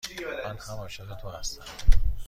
من هم عاشق تو هستم.